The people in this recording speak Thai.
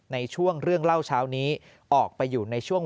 ในช่วงเรื่องเล่าเช้านี้ออกไปอยู่ในช่วง